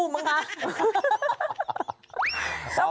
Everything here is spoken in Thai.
ขาคู่มั้งฮะ